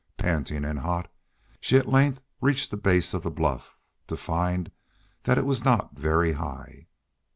Panting and hot, she at length reached the base of the bluff, to find that it was not very high.